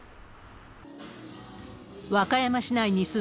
和歌山市内に住む、